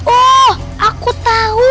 oh aku tahu